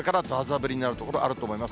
降りになる所、あると思います。